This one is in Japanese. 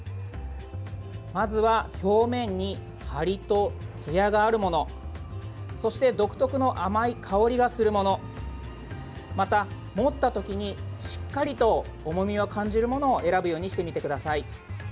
まずは、表面にハリとツヤがあるものそして独特の甘い香りがするものまた、持ったときにしっかり重みを感じるものを選ぶようにしてみてください。